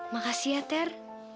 makasih ya ter